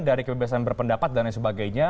dari kebebasan berpendapat dan lain sebagainya